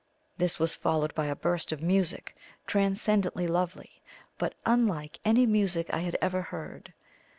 This was followed by a burst of music, transcendently lovely, but unlike any music I had ever heard.